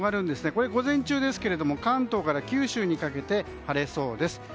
これは午前中ですが関東から九州にかけて晴れそうです。